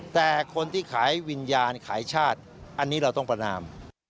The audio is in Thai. แต่คนที่ขายวิญญาณขายชาติอันนี้เราต้องประนาม